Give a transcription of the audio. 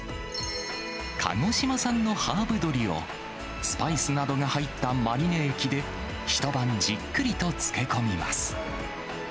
鹿児島産のハーブ鶏を、スパイスなどが入ったマリネ液で一晩じっくりと漬け込みます。